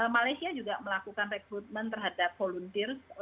malaysia juga melakukan rekrutmen terhadap volunteer